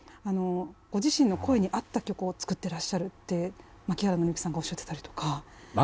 「ご自身の声に合った曲を作ってらっしゃる」って槇原敬之さんがおっしゃってたりとか。